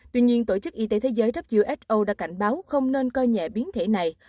tuy nhiên tổ chức y tế thế giới who đã cảnh báo không nên coi nhẹ biến thể này